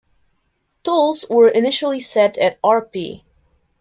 Tolls were initially set at Rp.